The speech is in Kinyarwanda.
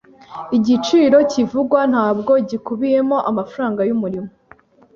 Igiciro kivugwa ntabwo gikubiyemo amafaranga yumurimo.